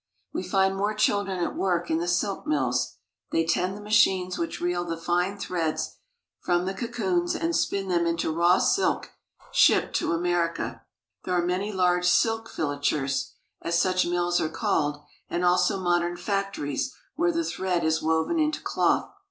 We find more children at work in the silk mills. They tend the machines which reel the fine threads from the cocoons and spin them into the raw silk shipped to Amer ica. There are many large silk filatures, as such mills are called, and also modern factories where the thread is woven into cloth.